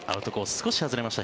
少し外れました。